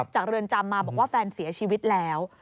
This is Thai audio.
เรือนจำมาบอกว่าแฟนเสียชีวิตแล้ว